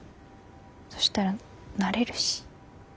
そしたら慣れるし。